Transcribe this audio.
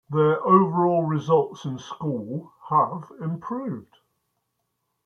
Their overall results in school have improved.